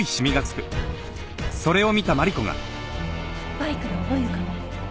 バイクのオイルかも。